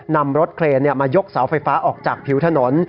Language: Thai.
นำรถเครนมายกเสาไฟฟ้าออกจากผิวถนน